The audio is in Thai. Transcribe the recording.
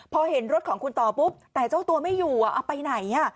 พอเห็นรถของคุณต่อปุ๊บแต่เจ้าตัวไม่อยู่เอาไปไหน